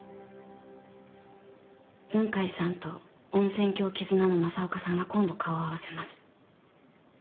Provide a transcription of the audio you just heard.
雲海さんと温泉郷絆の政岡さんが今度顔を合わせます。